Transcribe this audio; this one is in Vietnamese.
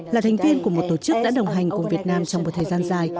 là thành viên của một tổ chức đã đồng hành cùng việt nam trong một thời gian dài